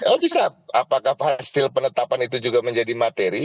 oh bisa apakah hasil penetapan itu juga menjadi materi